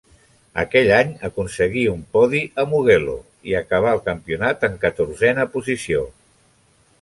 Aquell any aconseguí un podi a Mugello i acabà el campionat en catorzena posició.